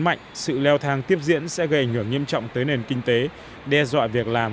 mạnh sự leo thang tiếp diễn sẽ gây ảnh hưởng nghiêm trọng tới nền kinh tế đe dọa việc làm